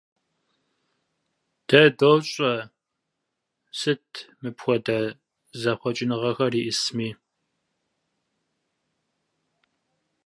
Мы знаем, что такое подобные перемены.